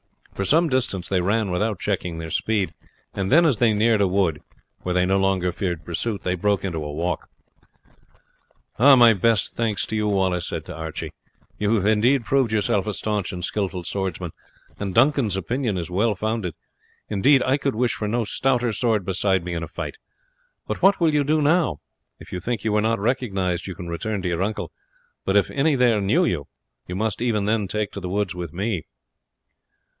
For some distance they ran without checking their speed, and then as they neared a wood, where they no longer feared pursuit, they broke into a walk. "My best thanks to you," Wallace said to Archie. "You have indeed proved yourself a staunch and skilful swordsman, and Duncan's opinion is well founded. Indeed I could wish for no stouter sword beside me in a fight; but what will you do now? If you think that you were not recognized you can return to your uncle; but if any there knew you, you must even then take to the woods with me."